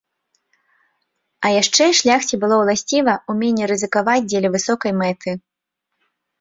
А яшчэ шляхце было ўласціва ўменне рызыкаваць дзеля высокай мэты.